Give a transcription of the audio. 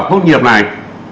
tốt nghiệp này